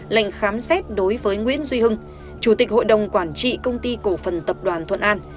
lệnh khám xét đối với nguyễn duy hưng chủ tịch hội đồng quản trị công ty cổ phần tập đoàn thuận an